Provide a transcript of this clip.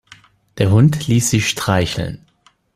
Der Hund ließ sich streicheln.